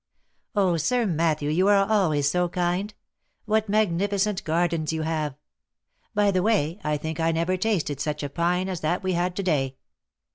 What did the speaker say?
" Oh ! Sir Matthew, you are always so kind ! What magnificent gardens you have ! By the way, I think I never tasted such a pine as that we had to day.